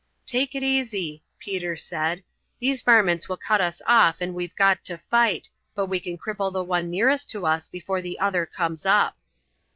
"Take it easy," Peter said. "These varmints will cut us off and we've got to fight, but we can cripple the one nearest to us before the other comes up."